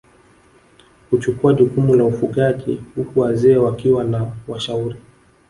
Huchukua jukumu la ufugaji huku wazee wakiwa ni washauri